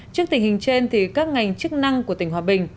trước tình hình trên các ngành chức năng của tỉnh hòa bình